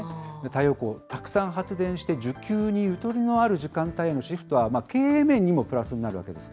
太陽光をたくさん発電して、需給にゆとりのある時間帯へのシフトは経営面にもプラスになるわけです。